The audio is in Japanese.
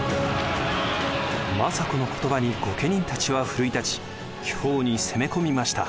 政子の言葉に御家人たちは奮い立ち京に攻め込みました。